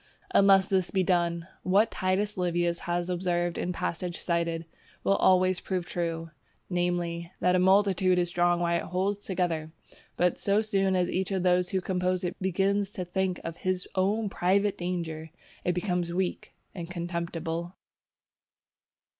Unless this be done, what Titus Livius has observed in the passage cited, will always prove true, namely, that a multitude is strong while it holds together, but so soon as each of those who compose it begins to think of his own private danger, it becomes weak and contemptible.